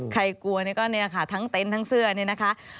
กลัวนี่ก็เนี่ยค่ะทั้งเต็นต์ทั้งเสื้อนี่นะคะ